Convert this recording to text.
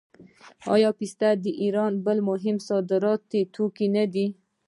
آیا پسته د ایران بل مهم صادراتي توکی نه دی؟